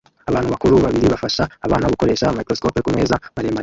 Abantu bakuru babiri bafasha abana gukoresha microscopes kumeza maremare